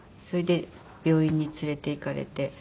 それで病院に連れて行かれて。